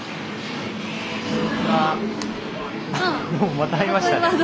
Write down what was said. また会いましたね。